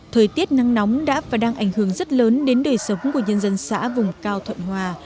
thời tiết nắng nóng đã và đang ảnh hưởng rất lớn đến đời sống của nhân dân xã vùng cao thuận hòa